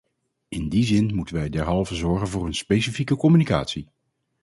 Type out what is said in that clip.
In die zin moeten wij derhalve zorgen voor een specifieke communicatie.